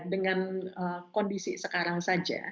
dengan kondisi sekarang saja